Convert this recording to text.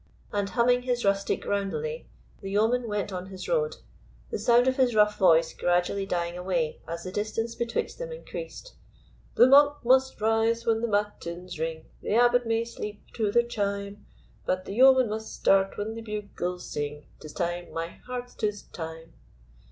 And, humming his rustic roundelay, the yeoman went on his road, the sound of his rough voice gradually dying away as the distance betwixt them increased: "The monk must arise when the matins ring, The abbot may sleep to their chime; But the yeoman must start when the bugles sing 'Tis time, my hearts, 'tis time.